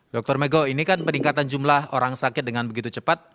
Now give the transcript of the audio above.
dr mego ini kan peningkatan jumlah orang sakit dengan begitu cepat